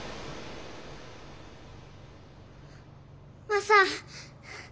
マサ！